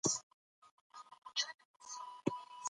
نوي مامورین د دواړو خواوو لخوا په دنده ګمارل کیږي.